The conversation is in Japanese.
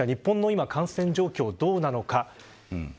日本の感染状況はどうなのか。